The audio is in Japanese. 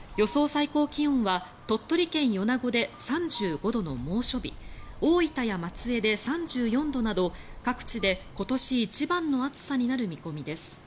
最高気温は鳥取県米子で３５度の猛暑日大分や松江で３４度など各地で今年一番の暑さになる見込みです。